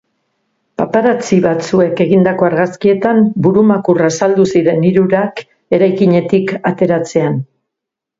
Paparazzi batzuek egindako argazkietan, burumakur azaldu ziren hirurak, eraikinetik ateratzean.